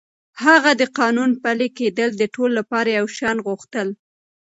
هغه د قانون پلي کېدل د ټولو لپاره يو شان غوښتل.